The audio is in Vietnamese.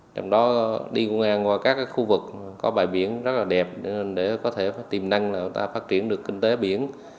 trong đó đi ngang qua các khu vực có bãi biển rất đẹp để có thể tìm năng phát triển được kinh tế biển